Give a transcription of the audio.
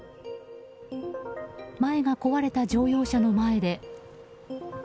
前が壊れた乗用車の前で。